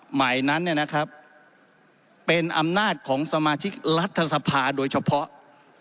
หมายนั้นเนี่ยนะครับเป็นอำนาจของสมาชิกรัฐสภาโดยเฉพาะ